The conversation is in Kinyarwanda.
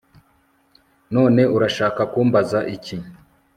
none urashaka kumbaza iki!